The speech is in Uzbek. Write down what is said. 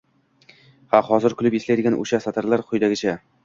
Ha, hozir kulib eslaydigan o`sha satrlar quyidagicha